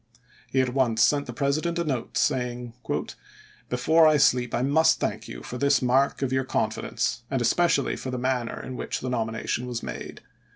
He at once sent the President a note, saying :" Before I sleep I must thank you for this mark of your con fidence, and especially for the manner in which the nomination was made.